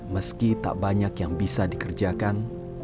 meski tak banyak yang bisa dikerjakan